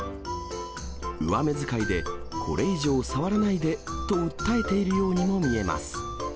上目遣いで、これ以上触らないでと訴えているようにも見えます。